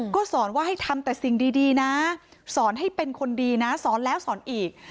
ก็สอนว่าให้ทำแต่สิ่งดีนะสอนให้เป็นคนดีนะสอนแล้วสอนอีก